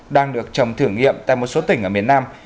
đang được trồng thử nghiệm tại một số tỉnh ở miền nam